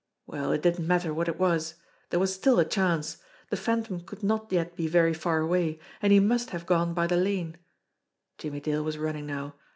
Well, it didn't matter what it was ! There was still a chance. The Phantom could not yet be very far away, and he must have gone by the lane. Jimmie Dale was running now.